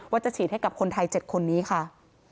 จะฉีดให้กับคนไทย๗คนนี้ค่ะ